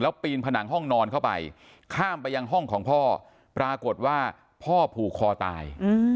ปีนผนังห้องนอนเข้าไปข้ามไปยังห้องของพ่อปรากฏว่าพ่อผูกคอตาย